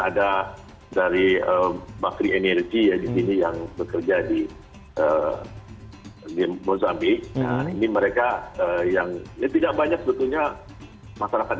ada dari bakri energi yang bekerja di bonsambi ini mereka yang tidak banyak sebetulnya masyarakat